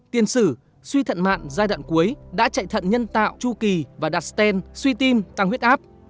tiên sử suy thận mạn giai đoạn cuối đã chạy thận nhân tạo chu kỳ và đặt stent suy tim tăng huyết áp